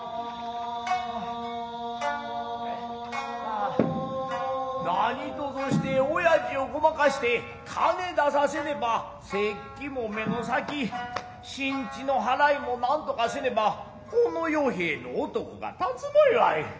アなにとぞして親仁を胡麻化して金出させねば節季も目の先新地の払いも何んとかせねばこの与兵衛の男が立つまいわい。